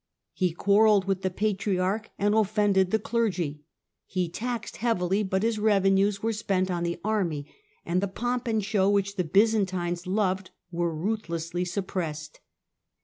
He quarrelled with the Patriarch, and offended the clergy. He taxed heavily, but his revenues were spent on the army, and the pomp and show which the Byzantines loved were ruthlessly suppressed.